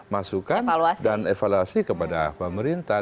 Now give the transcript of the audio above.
masukan dan evaluasi kepada pemerintah